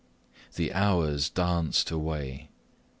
The hours danced away.